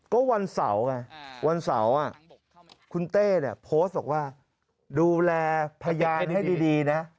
ส่วนวันเสาร์วันเสาร์คุณเต้โพสต์บอกว่าดูแลพยานดีนะ